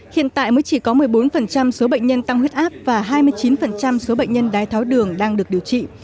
hiện tại mới chỉ có một mươi bốn số bệnh nhân tăng huyết áp và hai mươi chín số bệnh nhân đái tháo đường đang được điều trị